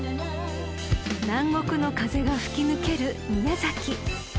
［南国の風が吹き抜ける宮崎］